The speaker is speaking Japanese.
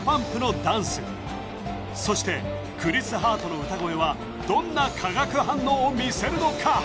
ＤＡＰＵＭＰのダンスそしてクリス・ハートの歌声はどんな化学反応を見せるのか？